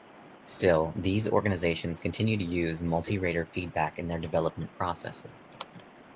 Still, these organizations continue to use multi-rater feedback in their development processes.